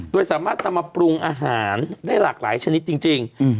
โดยสามารถนำมาปรุงอาหารได้หลากหลายชนิดจริง